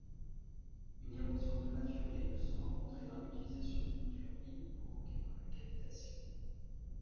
Une érosion prématurée peut se rencontrer dans l'utilisation d'une turbine, provoquée par la cavitation.